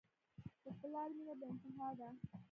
د پلار مینه بېانتها ده.